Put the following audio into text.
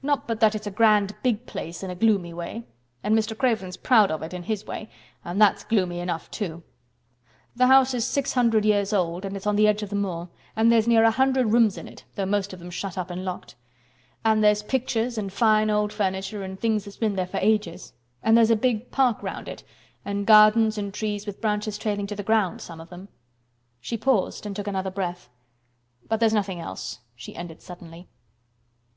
"Not but that it's a grand big place in a gloomy way, and Mr. Craven's proud of it in his way—and that's gloomy enough, too. The house is six hundred years old and it's on the edge of the moor, and there's near a hundred rooms in it, though most of them's shut up and locked. And there's pictures and fine old furniture and things that's been there for ages, and there's a big park round it and gardens and trees with branches trailing to the ground—some of them." She paused and took another breath. "But there's nothing else," she ended suddenly.